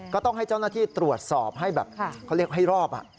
ก็ต้องให้เจ้าหน้าที่ตรวจสอบให้แบบเขาเรียกให้รอบ